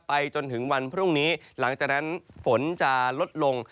จนถึงวันพรุ่งนี้หลังจากนั้นฝนจะลดลง